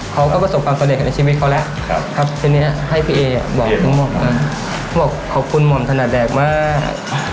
เขาก็ประสบความสำเร็จในชีวิตเขาแล้วครับทีนี้ให้พี่เอบอกขอบคุณหม่อมถนัดแดกมาก